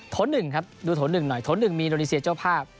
๑ครับดูโถ๑หน่อยโถ๑มีอินโดนีเซียเจ้าภาพ